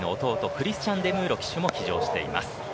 クリスチャン・デムーロ騎手も騎乗しています。